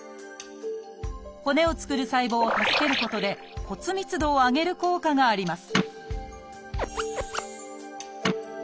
骨を作る細胞を助けることで骨密度を上げる効果があります